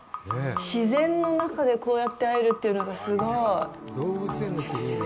自然の中でこうやって会えるっていうのがすごい。